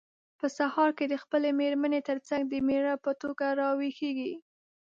په سهار کې د خپلې مېرمن ترڅنګ د مېړه په توګه راویښیږي.